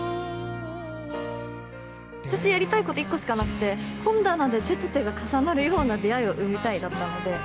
私やりたいこと１個しかなくて本棚で手と手が重なるような出会いを生みたいだったので。